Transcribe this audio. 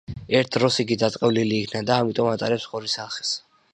ერთ დროს იგი დაწყევლილი იქნა და ამიტომ ატარებს ღორის სახეს.